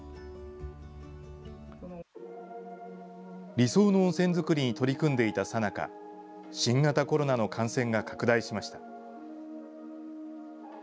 理想の温泉作りに取り組んでいたさなか、新型コロナの感染が拡大しました。